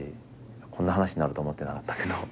こんな話になると思ってなかったけど。